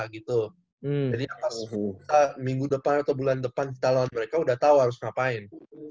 jadi pas minggu depan atau bulan depan kita lawan mereka udah tau harus ngapain